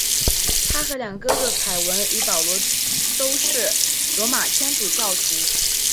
他和两个哥哥凯文与保罗都是罗马天主教徒。